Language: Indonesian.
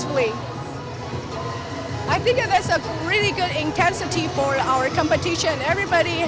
saya pikir itu adalah intensitas yang sangat baik